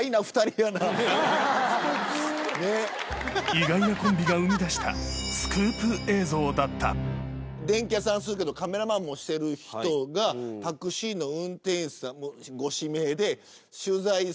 意外なコンビが生み出したスクープ映像だった電器屋さんするけどカメラマンもしてる人がタクシーの運転手さんもご指名で取材する。